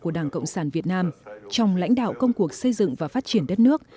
của đảng cộng sản việt nam trong lãnh đạo công cuộc xây dựng và phát triển đất nước